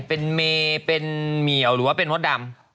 เป็นเมียวหรือว่าเป็นพ่อดำ